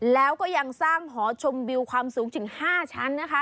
แล้วก็ยังสร้างหอชมวิวความสูงถึง๕ชั้นนะคะ